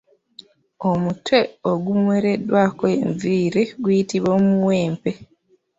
Omutwe ogumwereddwako enviiri guyitibwa muwempe.